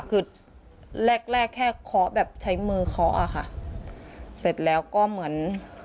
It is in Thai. คือแรกแรกแค่เคาะแบบใช้มือเคาะอะค่ะเสร็จแล้วก็เหมือน